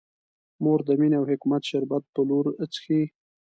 مور د مینې او حکمت شربت په لور څښي.